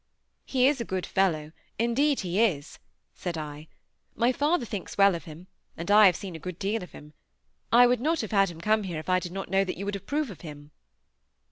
"He is a good fellow; indeed he is," said I. "My father thinks well of him; and I have seen a deal of him. I would not have had him come here if I did not know that you would approve of him."